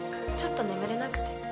ちょっと眠れなくて。